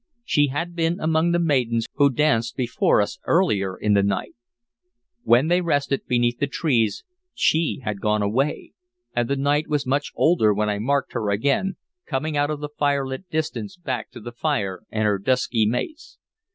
She had been among the maidens who danced before us earlier in the night; when they rested beneath the trees she had gone away, and the night was much older when I marked her again, coming out of the firelit distance back to the fire and her dusky mates.